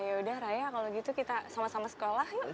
yaudah raya kalau gitu kita sama sama sekolah